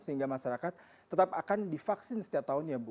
sehingga masyarakat tetap akan divaksin setiap tahun ya ibu